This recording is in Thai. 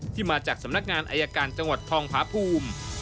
ที่มาจากสำนักงานอายการจังหวัดทองพาภูมิ